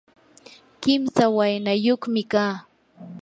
kimsa waynayuqmi kaa.